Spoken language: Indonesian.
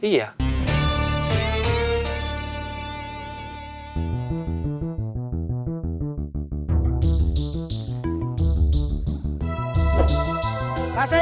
kasih kasih kasih